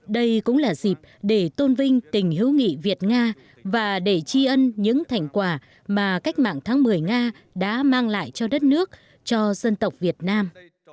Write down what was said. đây cũng là dịp để tôn vinh tình hữu nghị việt nga và để tri ân những thành quả mà cách mạng tháng một mươi nga đã mang lại cho đất nước cho dân tộc việt nam